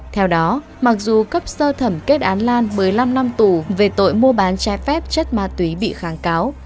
theo đó mặc dù cấp sơ thẩm kết án lan một mươi năm năm tù về tội mua bán trái phép chất ma túy bị kháng cáo